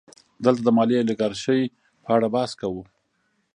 دلته د مالي الیګارشۍ په اړه بحث کوو